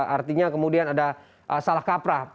artinya kemudian ada salah kaprah